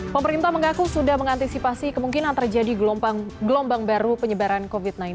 pemerintah mengaku sudah mengantisipasi kemungkinan terjadi gelombang baru penyebaran covid sembilan belas